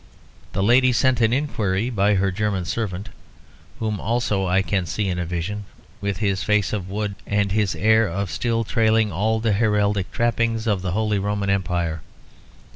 The lady sent an inquiry by her German servant, whom also I can see in a vision, with his face of wood and his air of still trailing all the heraldic trappings of the Holy Roman Empire.